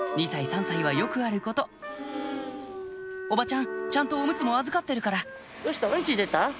２歳３歳はよくあることおばちゃんちゃんとおむつも預かってるからどうした？